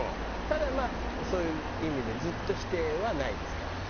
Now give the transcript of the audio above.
ただまあそういう意味で「ずっと否定」はないですから。